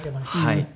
はい。